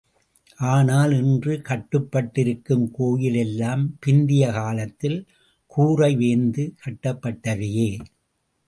ஆனால் இன்று கட்டப்பட்டிருக்கும் கோயில் எல்லாம் பிந்திய காலத்தில் கூறை வேய்ந்து கட்டப்பட்டவையே.